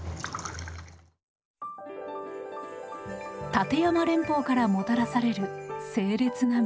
立山連峰からもたらされる清冽な水。